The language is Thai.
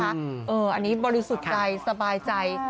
อันนี้บริสุทธิ์ใจสบายใจ